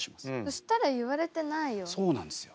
そしたら言われてないよ。